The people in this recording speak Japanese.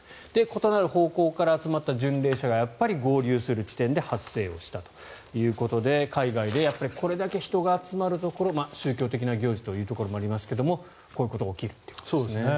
異なる方向から集まった巡礼者がやっぱり合流する地点で発生したということで海外でこれだけ人が集まるところ宗教的な行事ということもありますがこういうことが起きるということですね。